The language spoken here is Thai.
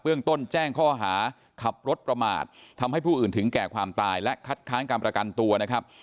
เรื่องต้นแจ้งข้อหาขับรถประมาททำให้ผู้อื่นถึงแก่ความตายและคัดค้างการประกันตัวนะครับ